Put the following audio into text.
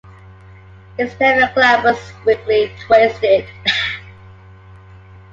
Its stem is glabrous, weakly twisted.